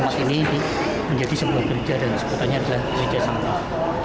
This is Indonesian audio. jadi ini menjadi sebuah gereja dan sebutannya adalah gereja sampah